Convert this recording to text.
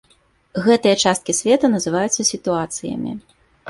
Гэтыя часткі свету называюцца сітуацыямі.